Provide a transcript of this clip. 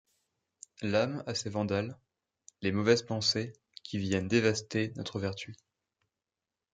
L’âme a ses vandales, les mauvaises pensées, qui viennent dévaster notre vertu.